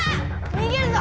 にげるぞ！